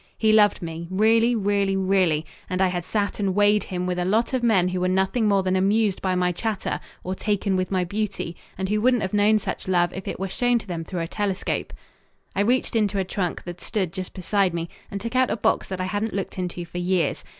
He loved me really, really, really; and I had sat and weighed him with a lot of men who were nothing more than amused by my chatter, or taken with my beauty, and who wouldn't have known such love if it were shown to them through a telescope. I reached into a trunk that stood just beside me and took out a box that I hadn't looked into for years.